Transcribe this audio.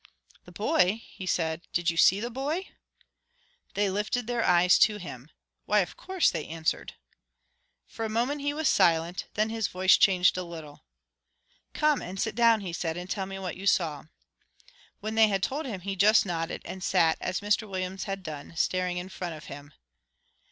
"The boy?" he said: "did you see the boy?" They lifted their eyes to him. "Why, of course," they answered. For a moment he was silent. Then his voice changed a little. "Come and sit down," he said, "and tell me what you saw." When they had told him, he just nodded, and sat, as Mr Williams had done, staring in front of him.